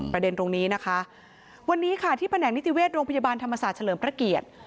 ประเด็นตรงนี้นะคะวันนี้ค่ะที่แผนกนิติเวชโรงพยาบาลธรรมศาสตร์เฉลิมพระเกียรติ